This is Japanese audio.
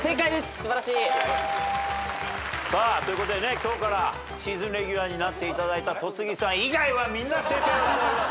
素晴らしい。ということでね今日からシーズンレギュラーになっていただいた戸次さん以外はみんな正解をしております。